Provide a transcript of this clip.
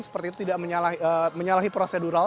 seperti itu tidak menyalahi prosedural